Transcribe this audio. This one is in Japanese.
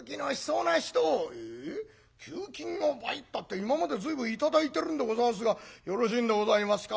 給金を倍ったって今まで随分頂いてるんでござんすがよろしいんでございますか？